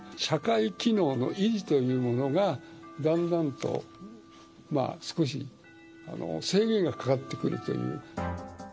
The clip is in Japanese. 社会機能の維持というものが、だんだんと少し制限がかかってくるという。